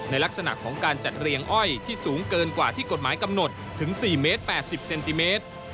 ลักษณะของการจัดเรียงอ้อยที่สูงเกินกว่าที่กฎหมายกำหนดถึง๔เมตร๘๐เซนติเมตร